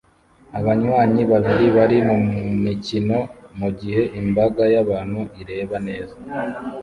Abanywanyi babiri bari mumikino mugihe imbaga y'abantu ireba neza